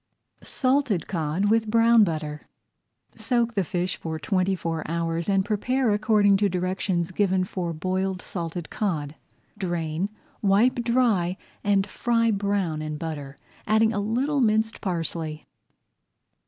SALTED COD WITH BROWN BUTTER Soak the fish for twenty four hours and prepare according to directions given for Boiled Salted Cod. Drain, wipe dry, and fry brown in butter, adding a little minced parsley.